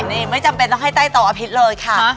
นี่ไม่จำเป็นต้องให้ใต้โต๊ะอภิษเลยค่ะ